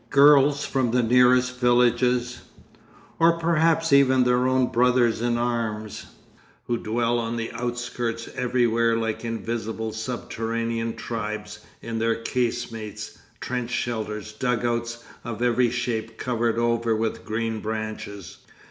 Girls from the nearest villages? Or perhaps even their own brothers in arms, who dwell on the outskirts everywhere like invisible subterranean tribes in these casemates, trench shelters, dug outs of every shape covered over with green branches?